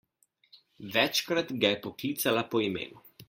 Večkrat ga je poklicala po imenu.